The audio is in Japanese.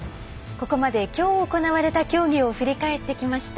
ここまで、きょう行われた競技を振り返ってきました。